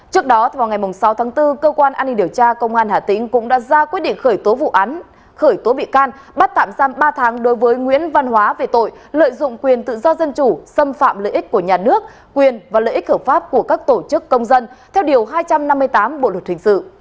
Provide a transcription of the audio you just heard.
trước đó vào ngày sáu tháng bốn cơ quan an ninh điều tra công an hà tĩnh cũng đã ra quyết định khởi tố vụ án khởi tố bị can bắt tạm giam ba tháng đối với nguyễn văn hóa về tội lợi dụng quyền tự do dân chủ xâm phạm lợi ích của nhà nước quyền và lợi ích hợp pháp của các tổ chức công dân theo điều hai trăm năm mươi tám bộ luật hình sự